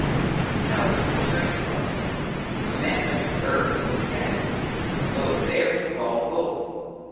NOW THIS IS THE STRANGE PART : WHEN THE MAN WENT TO THE EARTH AND LOOKED AGAIN, LO, THERE WAS THE BALL OF GOLD.